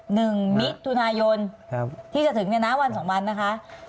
หนึ่งมิถุนายนครับที่จะถึงเนี่ยนะวันสองวันนะคะ